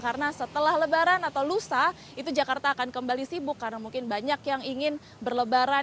karena setelah lebaran atau lusa itu jakarta akan kembali sibuk karena mungkin banyak yang ingin berlebaran